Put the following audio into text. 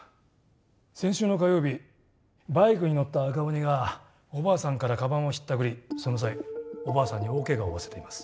先週の火曜日バイクに乗った赤鬼がおばあさんからかばんをひったくりその際おばあさんに大けがを負わせています。